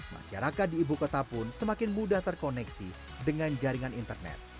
masyarakat di ibu kota pun semakin mudah terkoneksi dengan jaringan internet